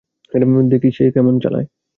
দেখি সে কেমন চালায়।